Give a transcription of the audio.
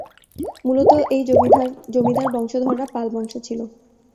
মূলত এই জমিদার বংশধররা "পাল বংশ" ছিল।